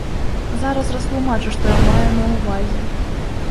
Зараз растлумачу, што я маю на ўвазе.